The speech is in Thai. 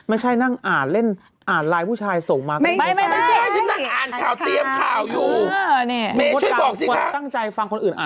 อ่านไลน์ให้ผู้ชายที่ส่งนะ